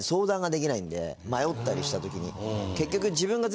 迷ったりした時に結局。